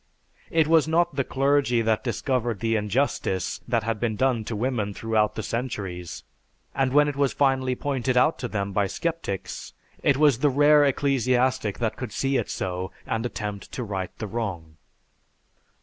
It was not the clergy that discovered the injustice that had been done to women throughout the centuries, and when it was finally pointed out to them by sceptics, it was the rare ecclesiastic that could see it so and attempt to right the wrong.